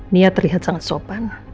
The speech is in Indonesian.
nia terlihat sangat sopan